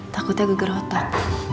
takutnya geger otak